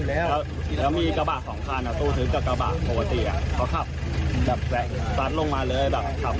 แล้วมีกระบะสองคันอ่ะตู้ทึบกับกระบะปกติอ่ะเขาขับแบบซัดลงมาเลยแบบขับ